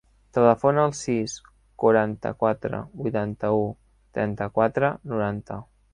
Telefona al sis, quaranta-quatre, vuitanta-u, trenta-quatre, noranta.